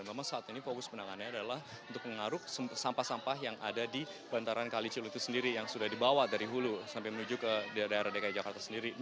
memang saat ini fokus penanganannya adalah untuk mengaruk sampah sampah yang ada di bantaran kalicilu itu sendiri yang sudah dibawa dari hulu sampai menuju ke daerah dki jakarta sendiri